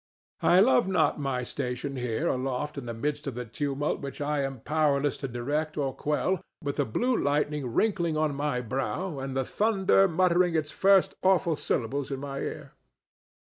I love not my station here aloft in the midst of the tumult which I am powerless to direct or quell, with the blue lightning wrinkling on my brow and the thunder muttering its first awful syllables in my ear.